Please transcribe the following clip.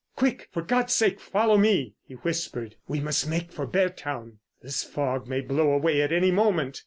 "Quick, for God's sake follow me!" he whispered. "We must make for Beardown. This fog may blow away at any moment."